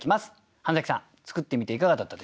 半さん作ってみていかがだったでしょうか？